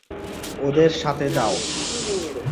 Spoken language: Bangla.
ওদের সাথে যাও।